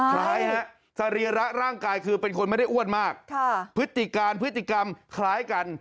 คล้ายฮะสรีระร่างกายคือเป็นคนไม่ได้อ้วนมากพฤติการพฤติกรรมคล้ายกัน